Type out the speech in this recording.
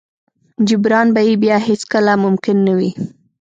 جبران به يې بيا هېڅ کله ممکن نه وي.